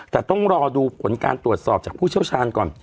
แต่ต้องรอดูผลการตรวจสอบจากผู้เชี่ยวชาญก่อน